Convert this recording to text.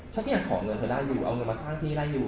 ช่างที่อยากขอเงินเธอได้อยู่เอาเงินมาสร้างที่นี่ได้อยู่